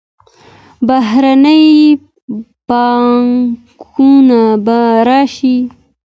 بهرنۍ پانګونه به راشي.